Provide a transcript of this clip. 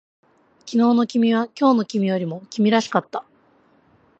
昨日の君は今日の君よりも君らしかった